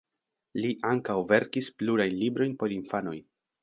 Li ankaŭ verkis plurajn librojn por infanoj.